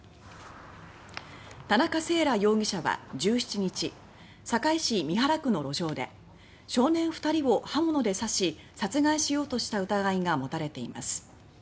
田中星来容疑者は、１７日堺市の路上で少年２人を刃物で刺し殺害しようとした疑いが持たれています。